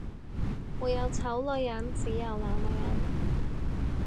沒有醜女人，只有懶女人